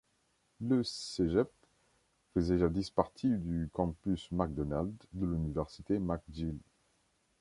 Le cégep faisait jadis partie du Campus MacDonald de l'Université McGill.